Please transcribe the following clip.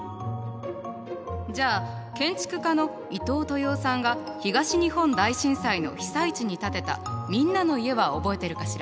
じゃあ建築家の伊東豊雄さんが東日本大震災の被災地に建てた「みんなの家」は覚えてるかしら？